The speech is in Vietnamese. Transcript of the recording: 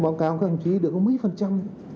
báo cáo các anh chị được có mấy phần trăm